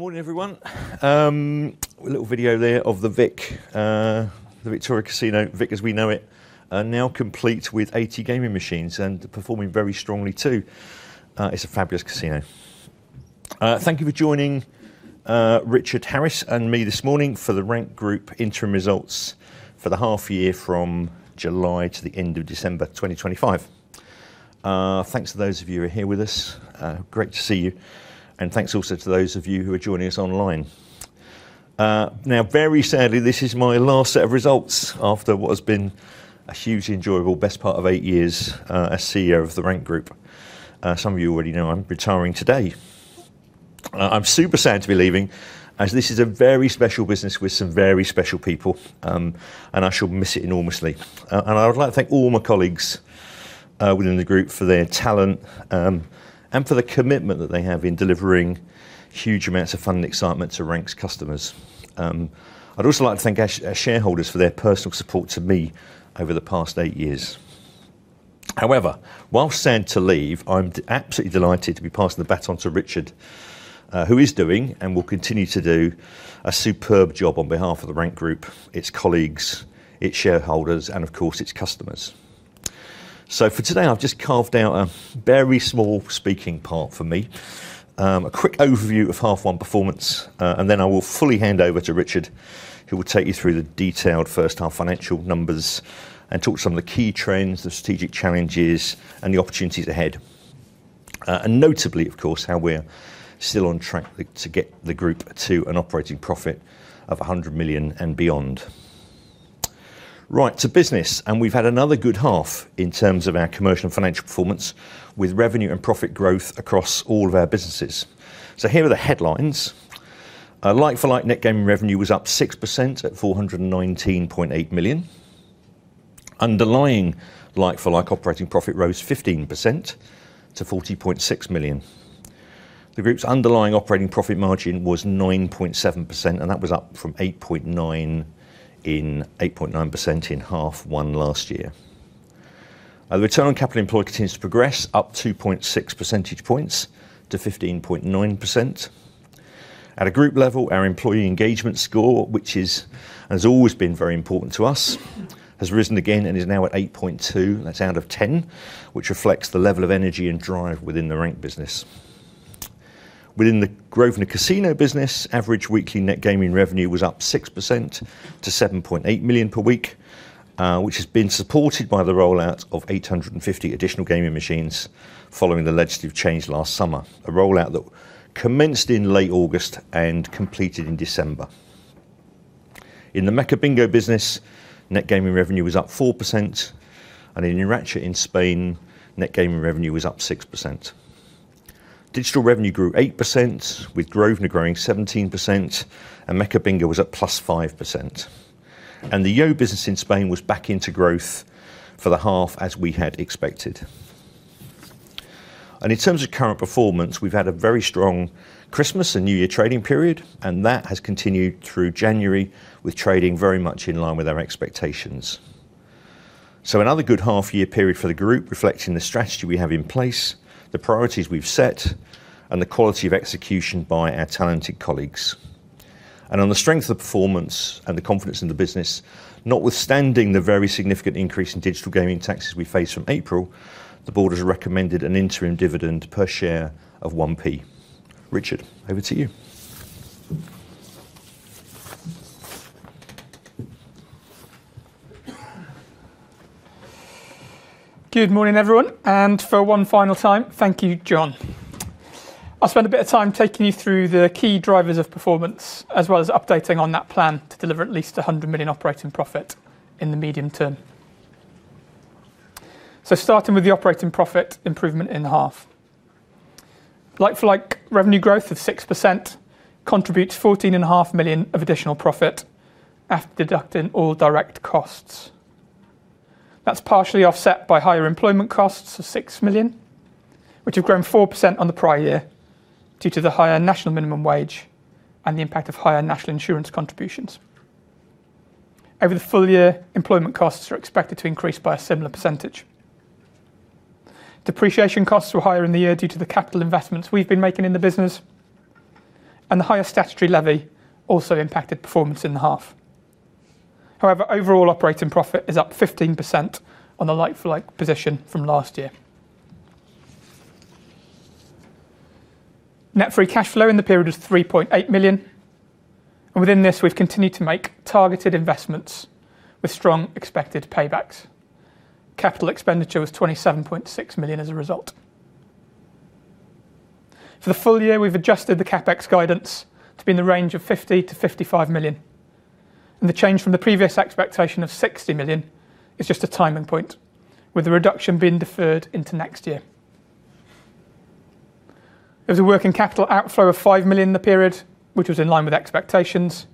Good morning, everyone. A little video there of the Vic, the Victoria Casino, Vic as we know it, now complete with 80 gaming machines and performing very strongly too. It's a fabulous casino. Thank you for joining, Richard Harris and me this morning for The Rank Group interim results for the half year from July to the end of December 2025. Thanks to those of you who are here with us, great to see you, and thanks also to those of you who are joining us online. Now, very sadly, this is my last set of results after what has been a hugely enjoyable best part of eight years, as CEO of The Rank Group. Some of you already know I'm retiring today. I'm super sad to be leaving, as this is a very special business with some very special people, and I shall miss it enormously. I would like to thank all my colleagues within the group for their talent, and for the commitment that they have in delivering huge amounts of fun and excitement to Rank's customers. I'd also like to thank our shareholders for their personal support to me over the past eight years. However, while sad to leave, I'm absolutely delighted to be passing the baton to Richard, who is doing and will continue to do a superb job on behalf of The Rank Group, its colleagues, its shareholders, and of course, its customers. So for today, I've just carved out a very small speaking part for me. A quick overview of half one performance, and then I will fully hand over to Richard, who will take you through the detailed first half financial numbers and talk some of the key trends, the strategic challenges, and the opportunities ahead. And notably, of course, how we're still on track to get the group to an operating profit of 100 million and beyond. Right to business, and we've had another good half in terms of our commercial and financial performance, with revenue and profit growth across all of our businesses. So here are the headlines. Like-for-like net gaming revenue was up 6% at 419.8 million. Underlying like-for-like operating profit rose 15% to 40.6 million. The group's underlying operating profit margin was 9.7%, and that was up from 8.9% in half one last year. Return on capital employed continues to progress, up 2.6 percentage points to 15.9%. At a group level, our employee engagement score, which is, has always been very important to us, has risen again and is now at 8.2, that's out of 10, which reflects the level of energy and drive within the Rank business. Within the Grosvenor Casino business, average weekly net gaming revenue was up 6% to 7.8 million per week, which has been supported by the rollout of 850 additional gaming machines following the legislative change last summer, a rollout that commenced in late August and completed in December. In the Mecca Bingo business, net gaming revenue was up 4%, and in Enracha, in Spain, net gaming revenue was up 6%. Digital revenue grew 8%, with Grosvenor growing 17%, and Mecca Bingo was at +5%. The Yo business in Spain was back into growth for the half as we had expected. In terms of current performance, we've had a very strong Christmas and New Year trading period, and that has continued through January, with trading very much in line with our expectations. Another good half year period for the group, reflecting the strategy we have in place, the priorities we've set, and the quality of execution by our talented colleagues. On the strength of the performance and the confidence in the business, notwithstanding the very significant increase in digital gaming taxes we face from April, the Board has recommended an interim dividend per share of 1p. Richard, over to you. Good morning, everyone, and for one final time, thank you, John. I'll spend a bit of time taking you through the key drivers of performance, as well as updating on that plan to deliver at least 100 million operating profit in the medium term. So starting with the operating profit improvement in half. Like-for-like, revenue growth of 6% contributes 14.5 million of additional profit after deducting all direct costs. That's partially offset by higher employment costs of 6 million, which have grown 4% on the prior year, due to the higher national minimum wage and the impact of higher national insurance contributions. Over the full year, employment costs are expected to increase by a similar percentage. Depreciation costs were higher in the year due to the capital investments we've been making in the business, and the higher statutory levy also impacted performance in the half. However, overall operating profit is up 15% on a like-for-like position from last year. Net free cash flow in the period is 3.8 million, and within this, we've continued to make targeted investments with strong expected paybacks. Capital expenditure was 27.6 million as a result. For the full year, we've adjusted the CapEx guidance to be in the range of 50 million-55 million, and the change from the previous expectation of 60 million is just a timing point, with the reduction being deferred into next year. There was a working capital outflow of 5 million in the period, which was in line with expectations,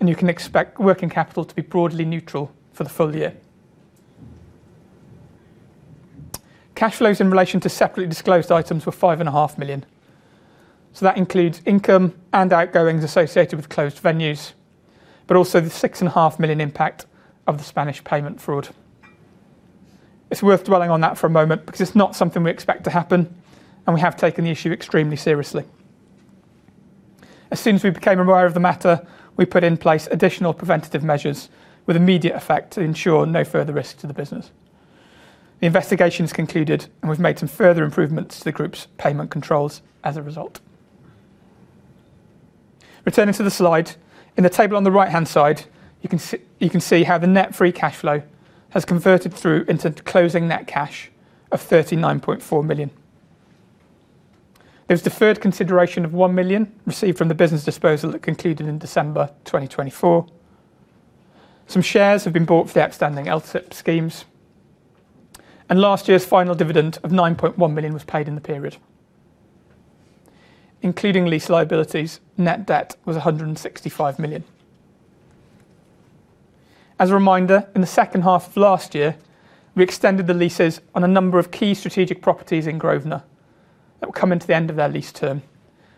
and you can expect working capital to be broadly neutral for the full year. Cash flows in relation to separately disclosed items were 5.5 million. So that includes income and outgoings associated with closed venues, but also the 6.5 million impact of the Spanish payment fraud. It's worth dwelling on that for a moment because it's not something we expect to happen, and we have taken the issue extremely seriously. As soon as we became aware of the matter, we put in place additional preventative measures with immediate effect to ensure no further risk to the business. The investigation's concluded, and we've made some further improvements to the group's payment controls as a result. Returning to the slide, in the table on the right-hand side, you can see, you can see how the net free cash flow has converted through into closing net cash of 39.4 million. There's deferred consideration of 1 million received from the business disposal that concluded in December 2024. Some shares have been bought for the outstanding LTIP schemes, and last year's final dividend of 9.1 million was paid in the period. Including lease liabilities, net debt was 165 million. As a reminder, in the second half of last year, we extended the leases on a number of key strategic properties in Grosvenor that were coming to the end of their lease term,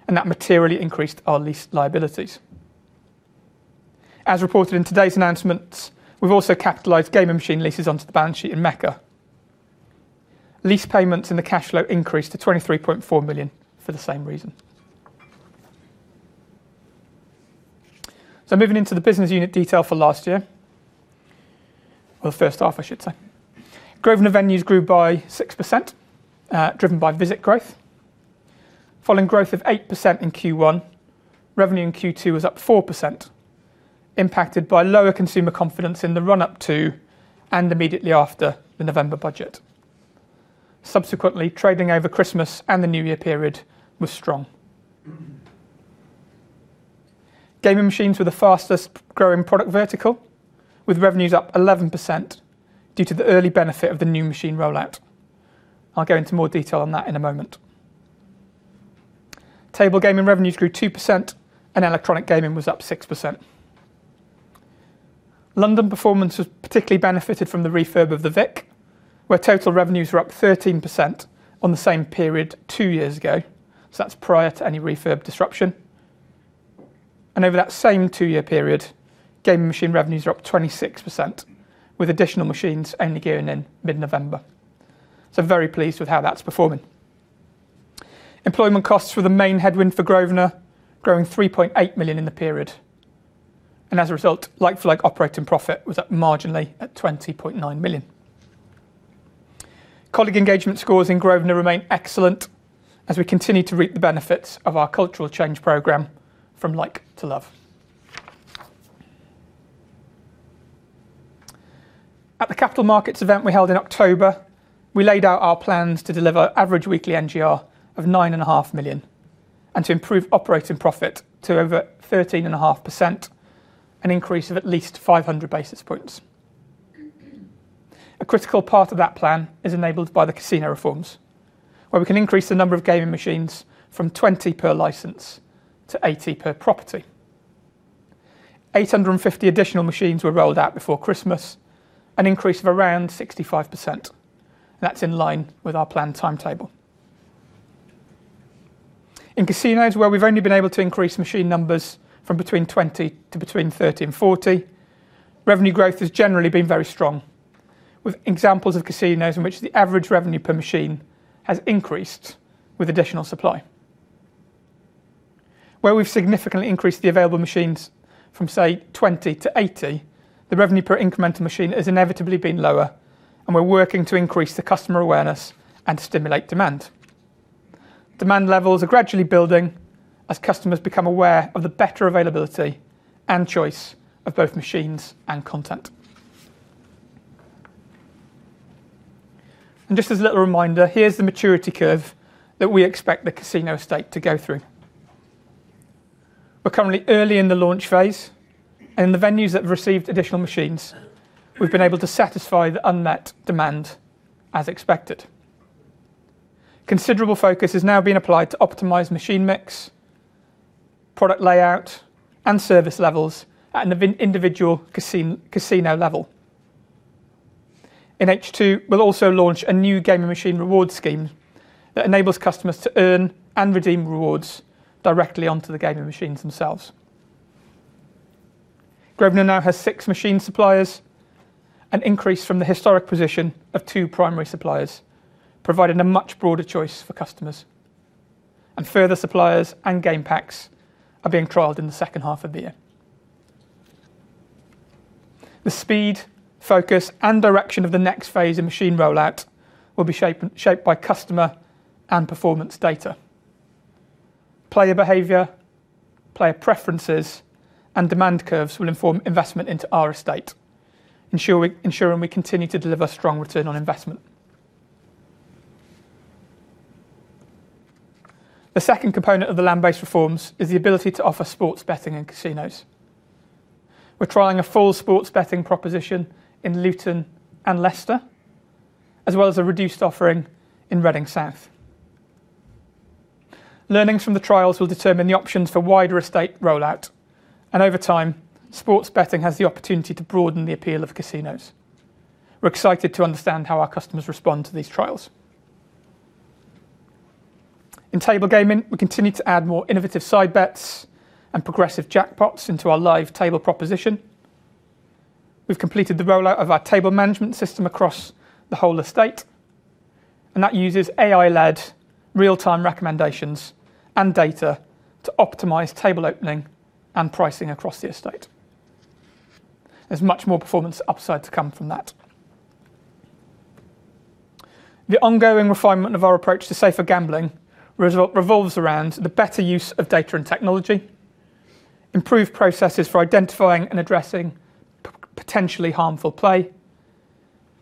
and that materially increased our lease liabilities. As reported in today's announcements, we've also capitalized gaming machine leases onto the balance sheet in Mecca. Lease payments in the cash flow increased to 23.4 million for the same reason. So moving into the business unit detail for last year, well, the first half, I should say. Grosvenor venues grew by 6%, driven by visit growth. Following growth of 8% in Q1, revenue in Q2 was up 4%, impacted by lower consumer confidence in the run-up to, and immediately after the November budget. Subsequently, trading over Christmas and the new year period was strong. Gaming machines were the fastest growing product vertical, with revenues up 11% due to the early benefit of the new machine rollout. I'll go into more detail on that in a moment. Table gaming revenues grew 2%, and electronic gaming was up 6%. London performance was particularly benefited from the refurb of The Vic, where total revenues were up 13% on the same period two years ago. So that's prior to any refurb disruption. Over that same two-year period, gaming machine revenues are up 26%, with additional machines only going in mid-November. So very pleased with how that's performing. Employment costs were the main headwind for Grosvenor, growing 3.8 million in the period, and as a result, like-for-like operating profit was up marginally at 20.9 million. Colleague engagement scores in Grosvenor remain excellent as we continue to reap the benefits of our cultural change program from Like to Love. At the capital markets event we held in October, we laid out our plans to deliver average weekly NGR of 9.5 million, and to improve operating profit to over 13.5%, an increase of at least 500 basis points. A critical part of that plan is enabled by the casino reforms, where we can increase the number of gaming machines from 20 per license to 80 per property. 850 additional machines were rolled out before Christmas, an increase of around 65%. That's in line with our planned timetable. In casinos, where we've only been able to increase machine numbers from between 20 to between 30 and 40, revenue growth has generally been very strong, with examples of casinos in which the average revenue per machine has increased with additional supply. Where we've significantly increased the available machines from, say, 20 to 80, the revenue per incremental machine has inevitably been lower, and we're working to increase the customer awareness and stimulate demand. Demand levels are gradually building as customers become aware of the better availability and choice of both machines and content. And just as a little reminder, here's the maturity curve that we expect the casino estate to go through. We're currently early in the launch phase, and the venues that have received additional machines, we've been able to satisfy the unmet demand as expected. Considerable focus is now being applied to optimize machine mix, product layout, and service levels at an individual casino level. In H2, we'll also launch a new gaming machine reward scheme that enables customers to earn and redeem rewards directly onto the gaming machines themselves. Grosvenor now has 6 machine suppliers, an increase from the historic position of 2 primary suppliers, providing a much broader choice for customers, and further suppliers and game packs are being trialed in the second half of the year. The speed, focus, and direction of the next phase of machine rollout will be shaped by customer and performance data. Player behavior, player preferences, and demand curves will inform investment into our estate, ensuring we continue to deliver strong return on investment. The second component of the land-based reforms is the ability to offer sports betting in casinos. We're trying a full sports betting proposition in Luton and Leicester, as well as a reduced offering in Reading South. Learnings from the trials will determine the options for wider estate rollout, and over time, sports betting has the opportunity to broaden the appeal of casinos. We're excited to understand how our customers respond to these trials... In table gaming, we continue to add more innovative side bets and progressive jackpots into our live table proposition. We've completed the rollout of our table management system across the whole estate, and that uses AI-led real-time recommendations and data to optimize table opening and pricing across the estate. There's much more performance upside to come from that. The ongoing refinement of our approach to safer gambling revolves around the better use of data and technology, improved processes for identifying and addressing potentially harmful play,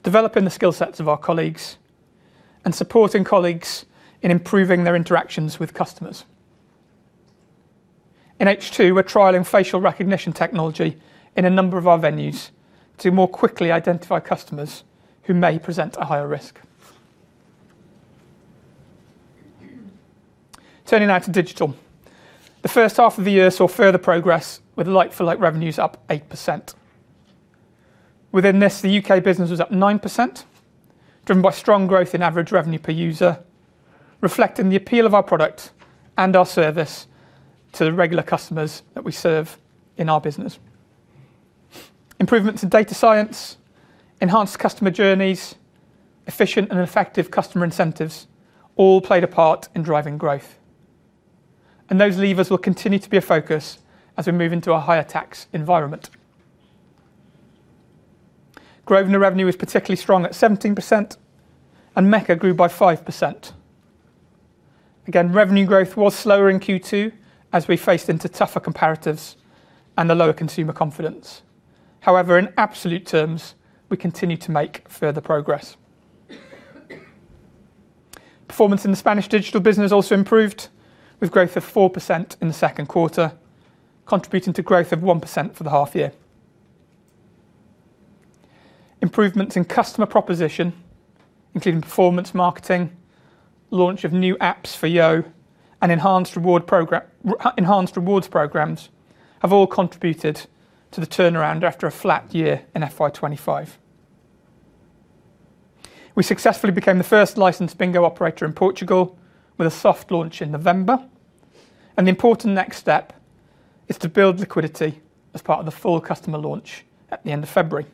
developing the skill sets of our colleagues, and supporting colleagues in improving their interactions with customers. In H2, we're trialing facial recognition technology in a number of our venues to more quickly identify customers who may present a higher risk. Turning now to digital. The first half of the year saw further progress, with like-for-like revenues up 8%. Within this, the UK business was up 9%, driven by strong growth in average revenue per user, reflecting the appeal of our product and our service to the regular customers that we serve in our business. Improvements in data science, enhanced customer journeys, efficient and effective customer incentives all played a part in driving growth, and those levers will continue to be a focus as we move into a higher tax environment. Grosvenor revenue was particularly strong at 17%, and Mecca grew by 5%. Again, revenue growth was slower in Q2 as we faced into tougher comparatives and the lower consumer confidence. However, in absolute terms, we continued to make further progress. Performance in the Spanish digital business also improved, with growth of 4% in the second quarter, contributing to growth of 1% for the half year. Improvements in customer proposition, including performance marketing, launch of new apps for Yo and enhanced rewards programs, have all contributed to the turnaround after a flat year in FY 2025. We successfully became the first licensed bingo operator in Portugal with a soft launch in November, and the important next step is to build liquidity as part of the full customer launch at the end of February,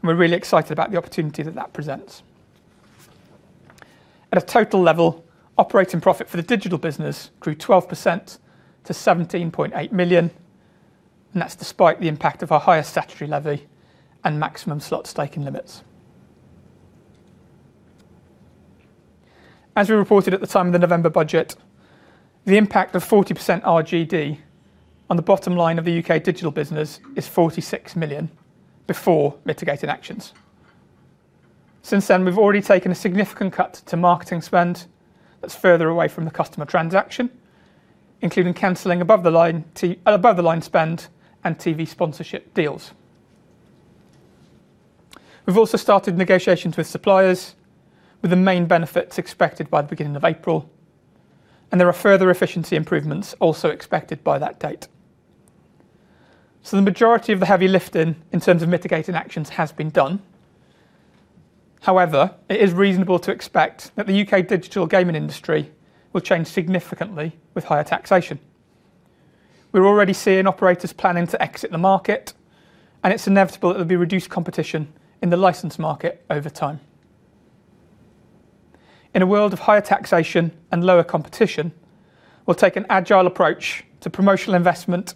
and we're really excited about the opportunity that that presents. At a total level, operating profit for the digital business grew 12% to 17.8 million, and that's despite the impact of our higher statutory levy and maximum slot staking limits. As we reported at the time of the November budget, the impact of 40% RGD on the bottom line of the UK digital business is 46 million before mitigating actions. Since then, we've already taken a significant cut to marketing spend that's further away from the customer transaction, including canceling above-the-line spend and TV sponsorship deals. We've also started negotiations with suppliers, with the main benefits expected by the beginning of April, and there are further efficiency improvements also expected by that date. So the majority of the heavy lifting in terms of mitigating actions has been done. However, it is reasonable to expect that the UK digital gaming industry will change significantly with higher taxation. We're already seeing operators planning to exit the market, and it's inevitable there'll be reduced competition in the licensed market over time. In a world of higher taxation and lower competition, we'll take an agile approach to promotional investment,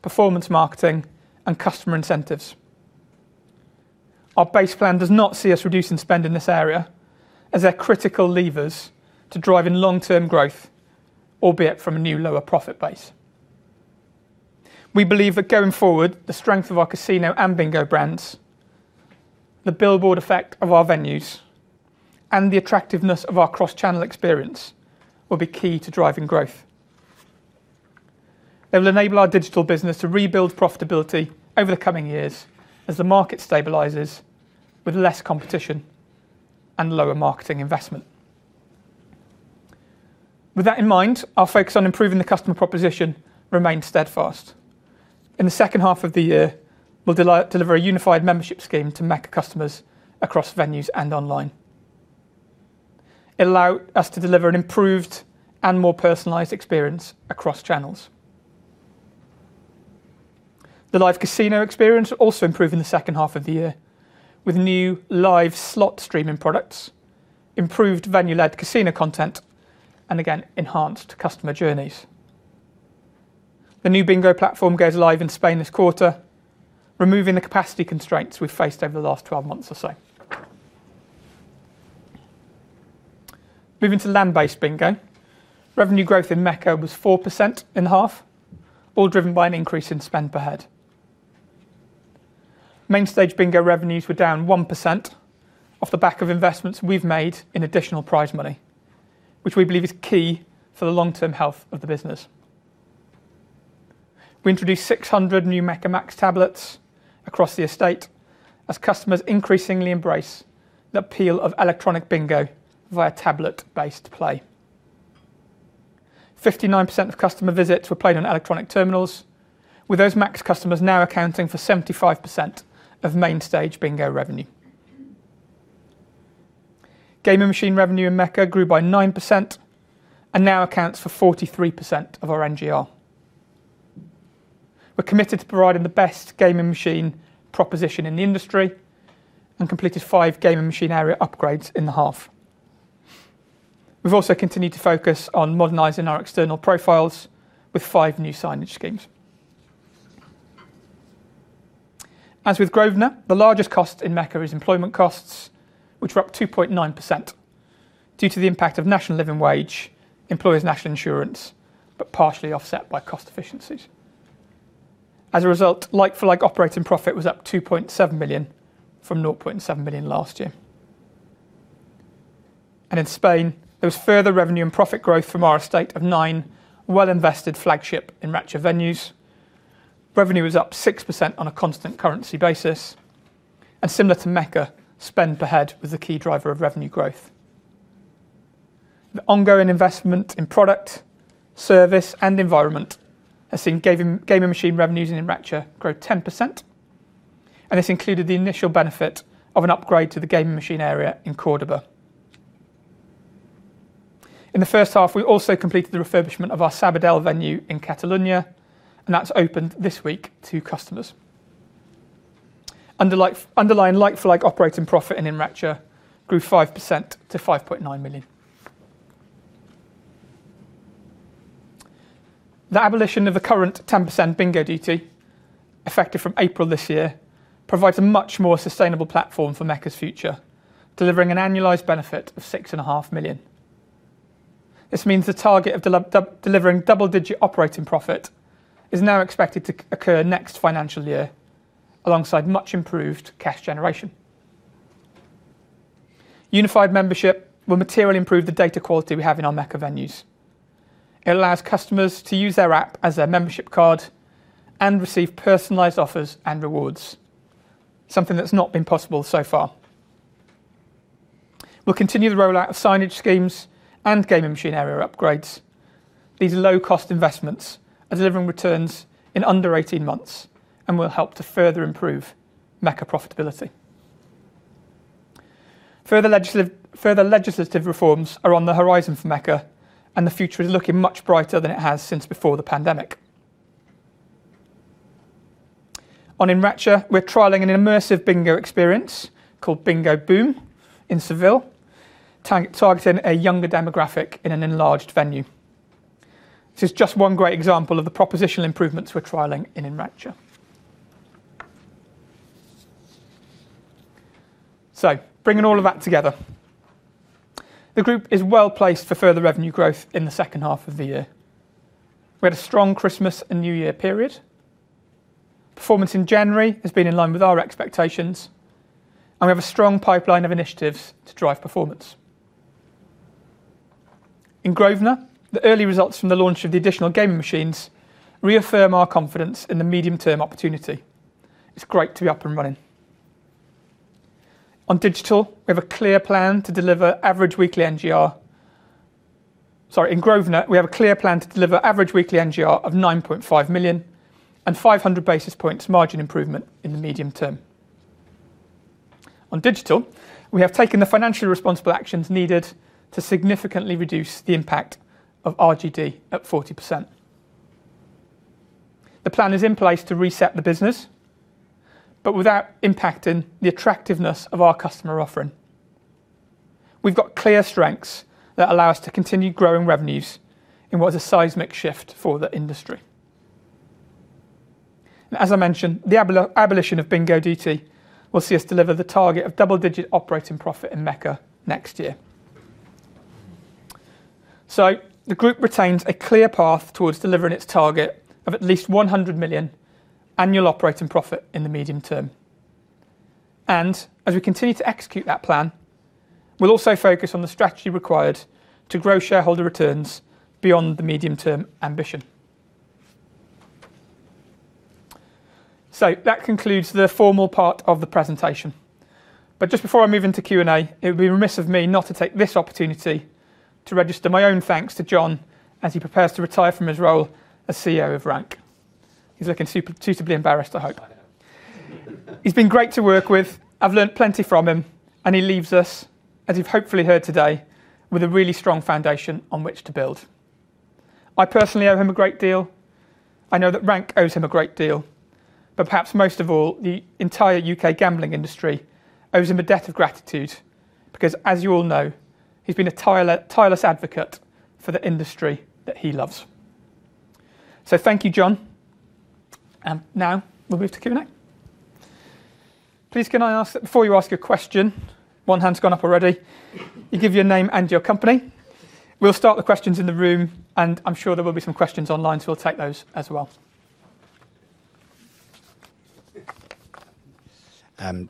performance marketing, and customer incentives. Our base plan does not see us reducing spend in this area, as they're critical levers to driving long-term growth, albeit from a new, lower profit base. We believe that going forward, the strength of our casino and bingo brands, the billboard effect of our venues, and the attractiveness of our cross-channel experience will be key to driving growth. It will enable our digital business to rebuild profitability over the coming years as the market stabilizes with less competition and lower marketing investment. With that in mind, our focus on improving the customer proposition remains steadfast. In the second half of the year, we'll deliver a unified membership scheme to Mecca customers across venues and online. It'll allow us to deliver an improved and more personalized experience across channels. The live casino experience will also improve in the second half of the year, with new live slot streaming products, improved venue-led casino content, and again, enhanced customer journeys. The new bingo platform goes live in Spain this quarter, removing the capacity constraints we've faced over the last 12 months or so. Moving to land-based bingo, revenue growth in Mecca was 4% in half, all driven by an increase in spend per head. Main stage bingo revenues were down 1% off the back of investments we've made in additional prize money, which we believe is key for the long-term health of the business. We introduced 600 new Mecca Max tablets across the estate as customers increasingly embrace the appeal of electronic bingo via tablet-based play. 59% of customer visits were played on electronic terminals, with those Max customers now accounting for 75% of main stage bingo revenue. Gaming machine revenue in Mecca grew by 9%, and now accounts for 43% of our NGR. We're committed to providing the best gaming machine proposition in the industry, and completed 5 gaming machine area upgrades in the half. We've also continued to focus on modernizing our external profiles with 5 new signage schemes. As with Grosvenor, the largest cost in Mecca is employment costs, which were up 2.9% due to the impact of National Living Wage, employers' national insurance, but partially offset by cost efficiencies. As a result, like-for-like operating profit was up 2.7 million from 0.7 million last year. In Spain, there was further revenue and profit growth from our estate of 9 well-invested flagship Enracha venues. Revenue was up 6% on a constant currency basis, and similar to Mecca, spend per head was the key driver of revenue growth. The ongoing investment in product, service, and environment has seen gaming machine revenues in Enracha grow 10%, and this included the initial benefit of an upgrade to the gaming machine area in Córdoba. In the first half, we also completed the refurbishment of our Sabadell venue in Catalonia, and that's opened this week to customers. Underlying like-for-like operating profit in Enracha grew 5% to 5.9 million. The abolition of the current 10% bingo duty, effective from April this year, provides a much more sustainable platform for Mecca's future, delivering an annualized benefit of 6.5 million. This means the target of delivering double-digit operating profit is now expected to occur next financial year, alongside much-improved cash generation. Unified membership will materially improve the data quality we have in our Mecca venues. It allows customers to use their app as their membership card and receive personalized offers and rewards, something that's not been possible so far. We'll continue the rollout of signage schemes and gaming machine area upgrades. These are low-cost investments are delivering returns in under 18 months and will help to further improve Mecca profitability. Further legislative reforms are on the horizon for Mecca, and the future is looking much brighter than it has since before the pandemic. On Enracha, we're trialing an immersive bingo experience called Bingo Boom in Seville, targeting a younger demographic in an enlarged venue. This is just one great example of the propositional improvements we're trialing in Enracha. So bringing all of that together, the group is well-placed for further revenue growth in the second half of the year. We had a strong Christmas and New Year period. Performance in January has been in line with our expectations, and we have a strong pipeline of initiatives to drive performance. In Grosvenor, the early results from the launch of the additional gaming machines reaffirm our confidence in the medium-term opportunity. It's great to be up and running. On digital, we have a clear plan to deliver average weekly NGR... Sorry, in Grosvenor, we have a clear plan to deliver average weekly NGR of 9.5 million and 500 basis points margin improvement in the medium term. On digital, we have taken the financially responsible actions needed to significantly reduce the impact of RGD at 40%. The plan is in place to reset the business, but without impacting the attractiveness of our customer offering. We've got clear strengths that allow us to continue growing revenues in what is a seismic shift for the industry. And as I mentioned, the abolition of bingo duty will see us deliver the target of double-digit operating profit in Mecca next year. So the group retains a clear path towards delivering its target of at least 100 million annual operating profit in the medium term, and as we continue to execute that plan, we'll also focus on the strategy required to grow shareholder returns beyond the medium-term ambition. So that concludes the formal part of the presentation. But just before I move into Q&A, it would be remiss of me not to take this opportunity to register my own thanks to John as he prepares to retire from his role as CEO of Rank. He's looking suitably embarrassed, I hope. He's been great to work with, I've learned plenty from him, and he leaves us, as you've hopefully heard today, with a really strong foundation on which to build. I personally owe him a great deal. I know that Rank owes him a great deal, but perhaps most of all, the entire UK gambling industry owes him a debt of gratitude, because, as you all know, he's been a tireless advocate for the industry that he loves. So thank you, John, and now we'll move to Q&A. Please, can I ask that before you ask a question, one hand's gone up already, you give your name and your company? We'll start the questions in the room, and I'm sure there will be some questions online, so we'll take those as well.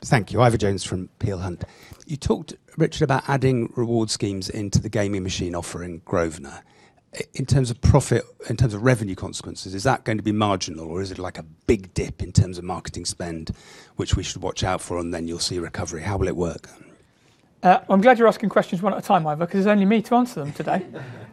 Thank you. Ivor Jones from Peel Hunt. You talked, Richard, about adding reward schemes into the gaming machine offer in Grosvenor. In terms of profit, in terms of revenue consequences, is that going to be marginal, or is it like a big dip in terms of marketing spend, which we should watch out for, and then you'll see recovery? How will it work? I'm glad you're asking questions one at a time, Ivor, 'cause it's only me to answer them today.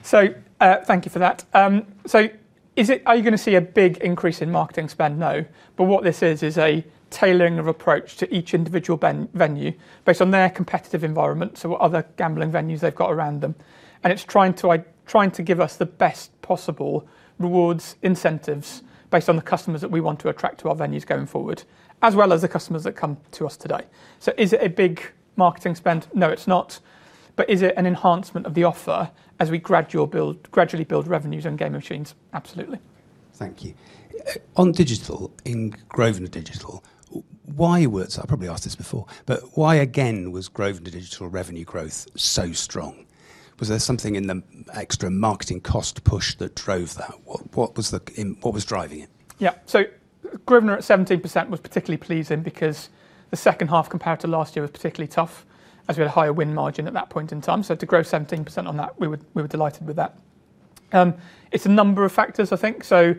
So, thank you for that. Are you gonna see a big increase in marketing spend? No, but what this is, is a tailoring of approach to each individual venue, based on their competitive environment, so what other gambling venues they've got around them. And it's trying to give us the best possible rewards, incentives, based on the customers that we want to attract to our venues going forward, as well as the customers that come to us today. So is it a big marketing spend? No, it's not. But is it an enhancement of the offer as we gradual build, gradually build revenues on game machines? Absolutely. Thank you. On digital, in Grosvenor Digital, why was... I probably asked this before, but why again was Grosvenor Digital revenue growth so strong? Was there something in the extra marketing cost push that drove that? What was driving it? Yeah, so Grosvenor at 17% was particularly pleasing because the second half compared to last year was particularly tough, as we had a higher win margin at that point in time. So to grow 17% on that, we were delighted with that. It's a number of factors, I think. So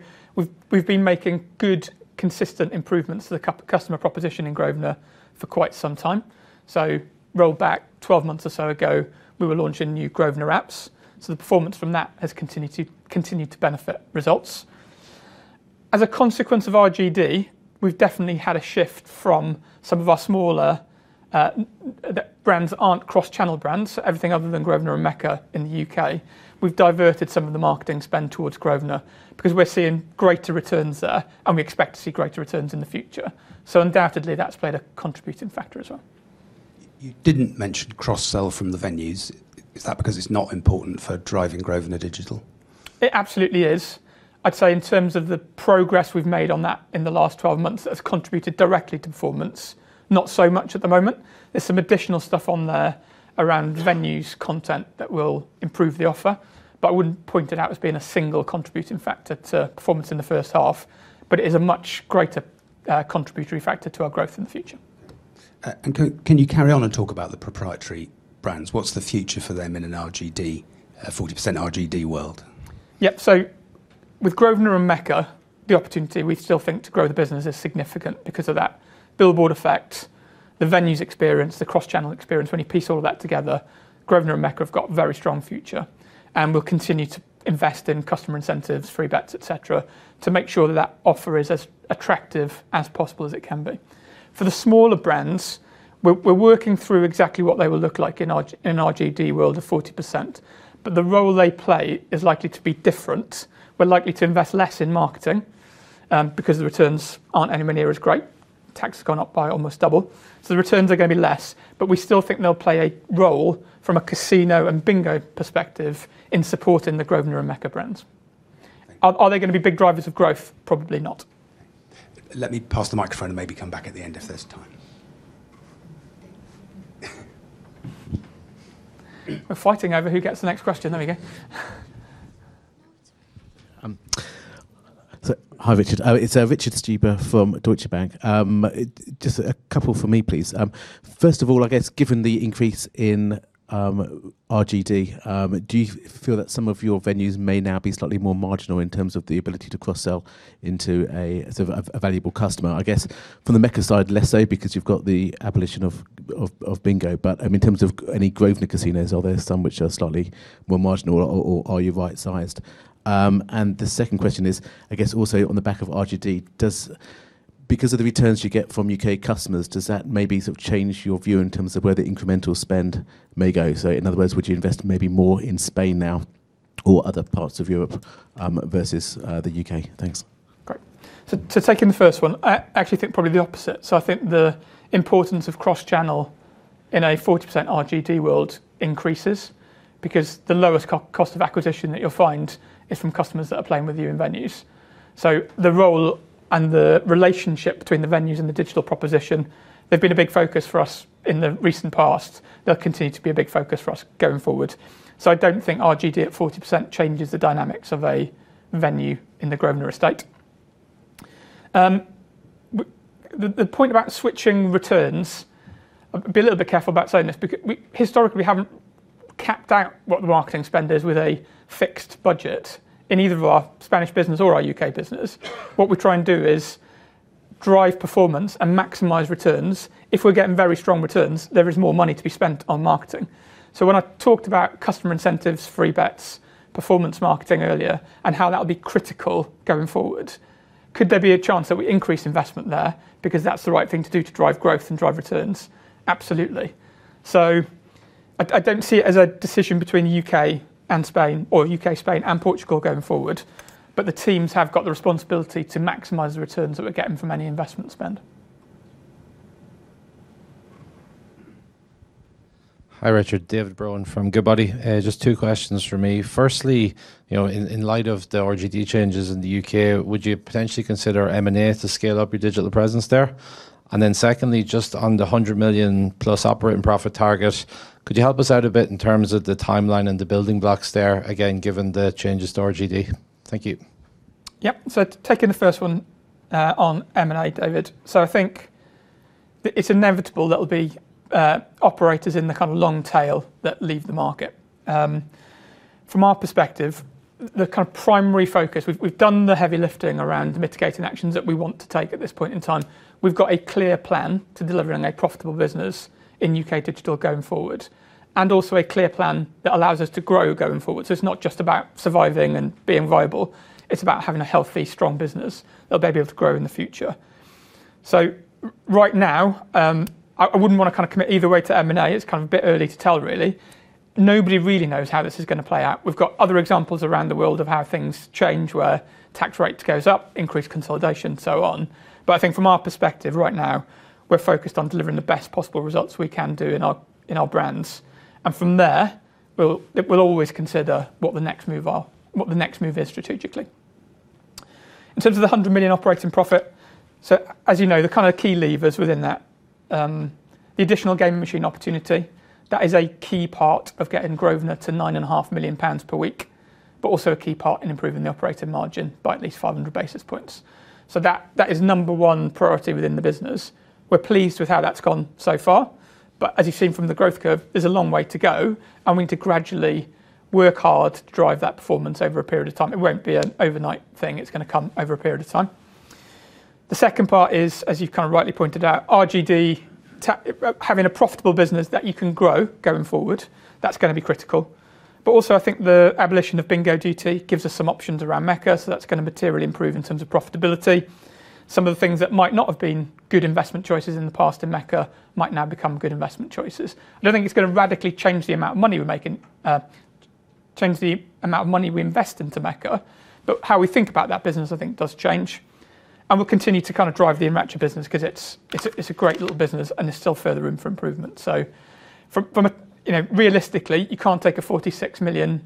we've been making good, consistent improvements to the customer proposition in Grosvenor for quite some time. So roll back 12 months or so ago, we were launching new Grosvenor apps, so the performance from that has continued to benefit results. As a consequence of RGD, we've definitely had a shift from some of our smaller brands that aren't cross-channel brands, so everything other than Grosvenor and Mecca in the UK. We've diverted some of the marketing spend towards Grosvenor because we're seeing greater returns there, and we expect to see greater returns in the future. So undoubtedly, that's played a contributing factor as well. You didn't mention cross-sell from the venues. Is that because it's not important for driving Grosvenor digital? It absolutely is. I'd say in terms of the progress we've made on that in the last 12 months, that's contributed directly to performance, not so much at the moment. There's some additional stuff on there around venues, content that will improve the offer, but I wouldn't point it out as being a single contributing factor to performance in the first half, but it is a much greater contributory factor to our growth in the future. Can you carry on and talk about the proprietary brands? What's the future for them in an RGD, a 40% RGD world? Yep. So with Grosvenor and Mecca, the opportunity, we still think, to grow the business is significant because of that billboard effect, the venues experience, the cross-channel experience. When you piece all of that together, Grosvenor and Mecca have got a very strong future, and we'll continue to invest in customer incentives, free bets, et cetera, to make sure that offer is as attractive as possible as it can be. For the smaller brands, we're working through exactly what they will look like in RGD world of 40%, but the role they play is likely to be different. We're likely to invest less in marketing, because the returns aren't anywhere near as great. Tax has gone up by almost double. So the returns are gonna be less, but we still think they'll play a role from a casino and bingo perspective in supporting the Grosvenor and Mecca brands. Thank you. Are they gonna be big drivers of growth? Probably not. Let me pass the microphone and maybe come back at the end if there's time. We're fighting over who gets the next question. There we go. So hi, Richard. It's Richard Stuber from Deutsche Bank. Just a couple from me, please. First of all, I guess given the increase in RGD, do you feel that some of your venues may now be slightly more marginal in terms of the ability to cross-sell into a sort of a valuable customer? I guess from the Mecca side, less so because you've got the abolition of bingo, but in terms of any Grosvenor Casinos, are there some which are slightly more marginal or are you right-sized? And the second question is, I guess, also on the back of RGD, does, because of the returns you get from UK customers, does that maybe sort of change your view in terms of where the incremental spend may go? So in other words, would you invest maybe more in Spain now or other parts of Europe, versus the UK? Thanks. Great. So, to take in the first one, I actually think probably the opposite. So I think the importance of cross-channel in a 40% RGD world increases because the lowest cost of acquisition that you'll find is from customers that are playing with you in venues. So the role and the relationship between the venues and the digital proposition, they've been a big focus for us in the recent past. They'll continue to be a big focus for us going forward. So I don't think RGD at 40% changes the dynamics of a venue in the Grosvenor estate. The point about switching returns, I'll be a little bit careful about saying this because we historically haven't capped out what the marketing spend is with a fixed budget in either of our Spanish business or our UK business. What we're trying to do is drive performance and maximize returns. If we're getting very strong returns, there is more money to be spent on marketing. When I talked about customer incentives, free bets, performance marketing earlier, and how that would be critical going forward, could there be a chance that we increase investment there because that's the right thing to do to drive growth and drive returns? Absolutely. I, I don't see it as a decision between UK and Spain or UK, Spain and Portugal going forward, but the teams have got the responsibility to maximize the returns that we're getting from any investment spend. Hi, Richard. David Brohan from Goodbody. Just two questions from me. Firstly, you know, in light of the RGD changes in the UK, would you potentially consider M&A to scale up your digital presence there? And then secondly, just on the 100 million+ operating profit target, could you help us out a bit in terms of the timeline and the building blocks there, again, given the changes to RGD? Thank you. Yep. So taking the first one, on M&A, David. So I think it's inevitable there'll be operators in the kind of long tail that leave the market. From our perspective, the kind of primary focus, we've done the heavy lifting around the mitigating actions that we want to take at this point in time. We've got a clear plan to delivering a profitable business in UK digital going forward, and also a clear plan that allows us to grow going forward. So it's not just about surviving and being viable, it's about having a healthy, strong business that'll be able to grow in the future. So right now, I wouldn't wanna kind of commit either way to M&A. It's kind of a bit early to tell, really. Nobody really knows how this is gonna play out. We've got other examples around the world of how things change, where tax rate goes up, increased consolidation, and so on. But I think from our perspective right now, we're focused on delivering the best possible results we can do in our brands, and from there, we'll always consider what the next move is strategically. In terms of the 100 million operating profit, so as you know, the kind of key levers within that, the additional gaming machine opportunity, that is a key part of getting Grosvenor to 9.5 million pounds per week, but also a key part in improving the operating margin by at least 500 basis points. So that is number one priority within the business. We're pleased with how that's gone so far, but as you've seen from the growth curve, there's a long way to go, and we need to gradually work hard to drive that performance over a period of time. It won't be an overnight thing. It's gonna come over a period of time. The second part is, as you've kind of rightly pointed out, RGD, having a profitable business that you can grow going forward, that's gonna be critical. But also, I think the abolition of bingo duty gives us some options around Mecca, so that's gonna materially improve in terms of profitability. Some of the things that might not have been good investment choices in the past in Mecca might now become good investment choices. I don't think it's gonna radically change the amount of money we're making, change the amount of money we invest into Mecca, but how we think about that business, I think, does change, and we'll continue to kind of drive the Mecca business 'cause it's a great little business, and there's still further room for improvement. So from a... You know, realistically, you can't take a 46 million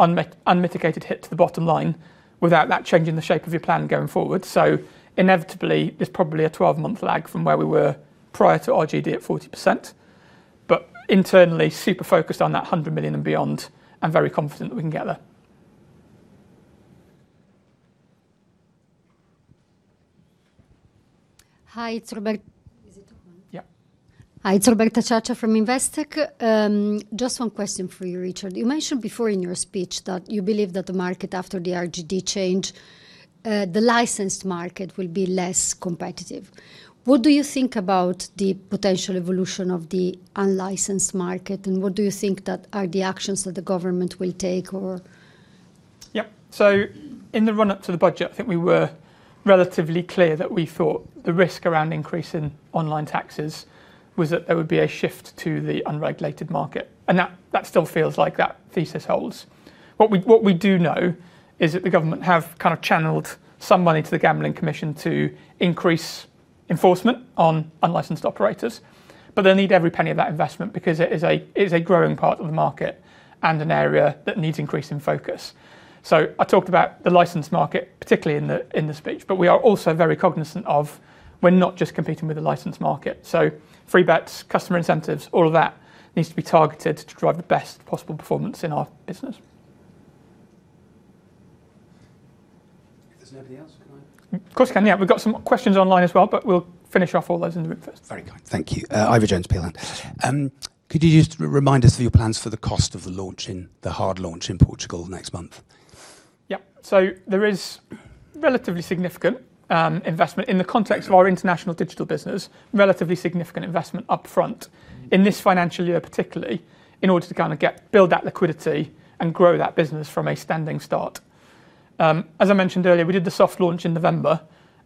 unmitigated hit to the bottom line without that changing the shape of your plan going forward. So inevitably, there's probably a 12-month lag from where we were prior to RGD at 40%, but internally, super focused on that 100 million and beyond, and very confident that we can get there. Hi, it's Roberta- Is it on? Yeah. Hi, it's Roberta Ciaccia from Investec. Just one question for you, Richard. You mentioned before in your speech that you believe that the market, after the RGD change, the licensed market will be less competitive. What do you think about the potential evolution of the unlicensed market, and what do you think that are the actions that the government will take or...? Yeah. So in the run-up to the budget, I think we were relatively clear that we thought the risk around increase in online taxes was that there would be a shift to the unregulated market, and that, that still feels like that thesis holds. What we, what we do know is that the government have kind of channeled some money to the Gambling Commission to increase enforcement on unlicensed operators, but they'll need every penny of that investment because it is a, it is a growing part of the market and an area that needs increase in focus. So I talked about the licensed market, particularly in the, in the speech, but we are also very cognizant of we're not just competing with the licensed market. So free bets, customer incentives, all of that needs to be targeted to drive the best possible performance in our business. If there's nobody else, can I? Of course you can. Yeah, we've got some questions online as well, but we'll finish off all those in the room first. Very good, thank you. Ivor Jones, Peel Hunt. Could you just remind us of your plans for the cost of the launch in, the hard launch in Portugal next month? Yeah. So there is relatively significant investment in the context of our international digital business, relatively significant investment up front in this financial year, particularly, in order to kind of build that liquidity and grow that business from a standing start. As I mentioned earlier, we did the soft launch in November,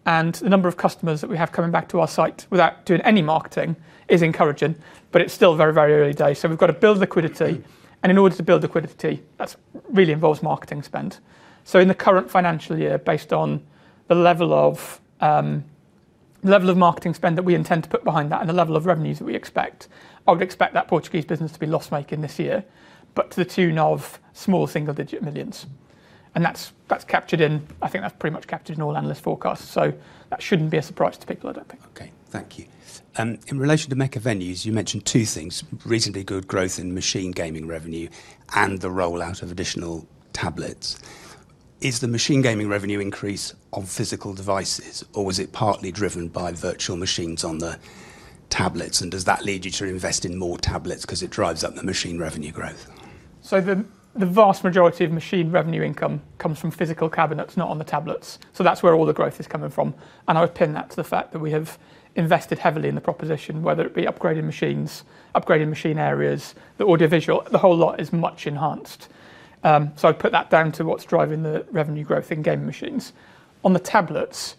and the number of customers that we have coming back to our site without doing any marketing is encouraging, but it's still very, very early days, so we've got to build liquidity, and in order to build liquidity, that really involves marketing spend. So in the current financial year, based on the level of marketing spend that we intend to put behind that and the level of revenues that we expect, I would expect that Portuguese business to be loss-making this year, but to the tune of small single-digit millions, and that's captured in. I think that's pretty much captured in all analyst forecasts, so that shouldn't be a surprise to people, I don't think. Okay. Thank you. In relation to Mecca venues, you mentioned two things: reasonably good growth in machine gaming revenue and the rollout of additional tablets. Is the machine gaming revenue increase on physical devices, or was it partly driven by virtual machines on the tablets, and does that lead you to invest in more tablets 'cause it drives up the machine revenue growth? So the vast majority of machine revenue income comes from physical cabinets, not on the tablets, so that's where all the growth is coming from, and I would pin that to the fact that we have invested heavily in the proposition, whether it be upgrading machines, upgrading machine areas, the audiovisual, the whole lot is much enhanced. So I'd put that down to what's driving the revenue growth in gaming machines. On the tablets,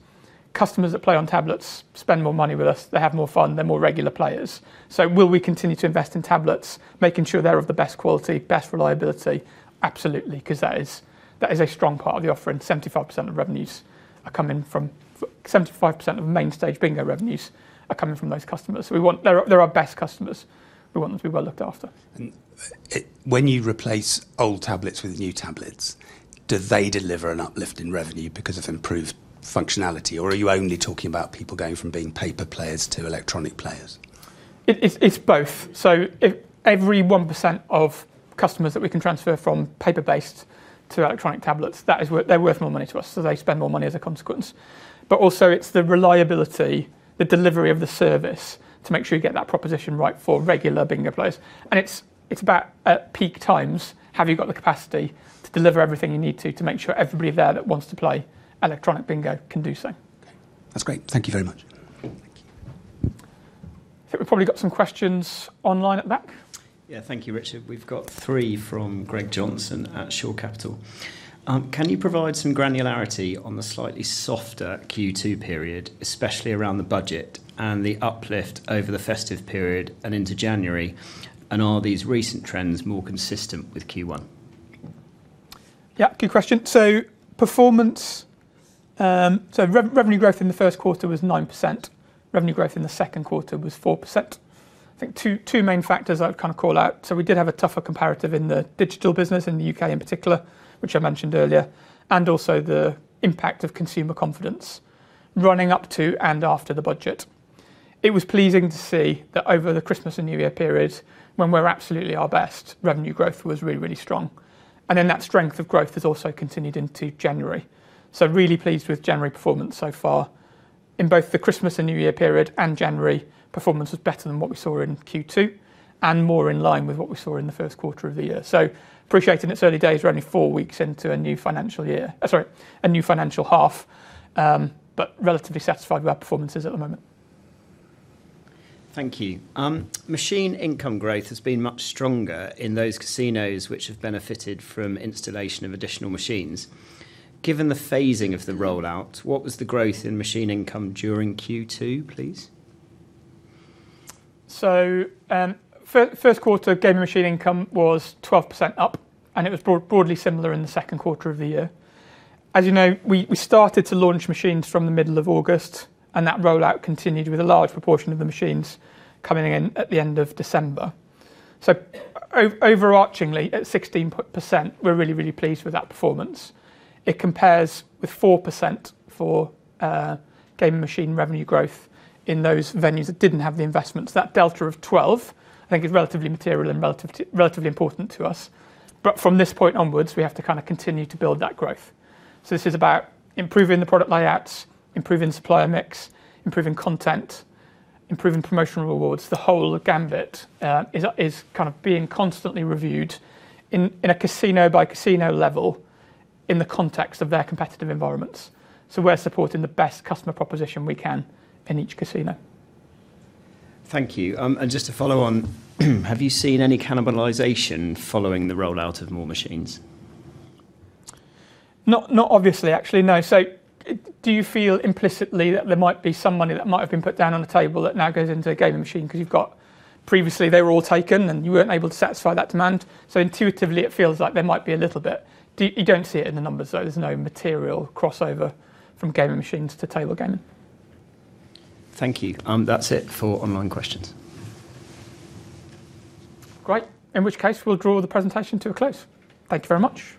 customers that play on tablets spend more money with us. They have more fun. They're more regular players. So will we continue to invest in tablets, making sure they're of the best quality, best reliability? Absolutely, 'cause that is, that is a strong part of the offering. 75% of revenues are coming from 75% of the main stage bingo revenues are coming from those customers. We want... They're our best customers. We want them to be well looked after. When you replace old tablets with new tablets, do they deliver an uplift in revenue because of improved functionality, or are you only talking about people going from being paper players to electronic players? It's both. So every 1% of customers that we can transfer from paper-based to electronic tablets, that they're worth more money to us, so they spend more money as a consequence. But also, it's the reliability, the delivery of the service, to make sure you get that proposition right for regular bingo players, and it's about, at peak times, have you got the capacity to deliver everything you need to, to make sure everybody there that wants to play electronic bingo can do so? Okay. That's great. Thank you very much.... I think we've probably got some questions online at the back. Yeah, thank you, Richard. We've got three from Greg Johnson at Shore Capital. Can you provide some granularity on the slightly softer Q2 period, especially around the budget and the uplift over the festive period and into January, and are these recent trends more consistent with Q1? Yeah, good question. So performance, so revenue growth in the first quarter was 9%. Revenue growth in the second quarter was 4%. I think two main factors I'd kind of call out, so we did have a tougher comparative in the digital business in the UK in particular, which I mentioned earlier, and also the impact of consumer confidence running up to and after the budget. It was pleasing to see that over the Christmas and New Year period, when we're absolutely our best, revenue growth was really, really strong, and then that strength of growth has also continued into January. So really pleased with January performance so far. In both the Christmas and New Year period and January, performance was better than what we saw in Q2 and more in line with what we saw in the first quarter of the year. So appreciate in its early days, we're only four weeks into a new financial year, sorry, a new financial half, but relatively satisfied with our performances at the moment. Thank you. Machine income growth has been much stronger in those casinos which have benefited from installation of additional machines. Given the phasing of the rollout, what was the growth in machine income during Q2, please? So, first quarter gaming machine income was 12% up, and it was broadly similar in the second quarter of the year. As you know, we started to launch machines from the middle of August, and that rollout continued with a large proportion of the machines coming in at the end of December. So overarchingly, at 16%, we're really, really pleased with that performance. It compares with 4% for gaming machine revenue growth in those venues that didn't have the investments. That delta of 12, I think, is relatively material and relatively important to us. But from this point onwards, we have to kind of continue to build that growth. So this is about improving the product layouts, improving supplier mix, improving content, improving promotional rewards. The whole gamut is kind of being constantly reviewed in a casino-by-casino level in the context of their competitive environments. So we're supporting the best customer proposition we can in each casino. Thank you. And just to follow on, have you seen any cannibalization following the rollout of more machines? Not obviously, actually, no. So do you feel implicitly that there might be some money that might have been put down on the table that now goes into a gaming machine? 'Cause you've got previously they were all taken, and you weren't able to satisfy that demand. So intuitively, it feels like there might be a little bit. You don't see it in the numbers, so there's no material crossover from gaming machines to table gaming. Thank you. That's it for online questions. Great. In which case, we'll draw the presentation to a close. Thank you very much.